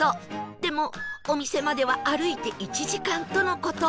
でもお店までは歩いて１時間との事